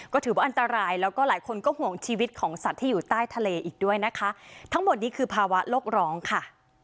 ก็ถือว่าอันตรายแล้วก็หลายคนก็ห่วงชีวิตของสัตว์ที่อยู่ใต้ทะเลอีกด้วยนะคะทั้งหมดนี้คือภาวะโลกร้องค่ะ